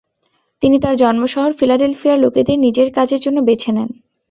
তিনি তার জন্মশহর ফিলাডেলফিয়ার লোকেদের নিজের কাজের জন্য বেছে নেন।